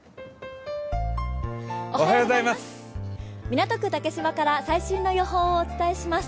港区竹芝から最新の予報をお伝えします。